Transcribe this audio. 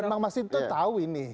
dan bang masinton tau ini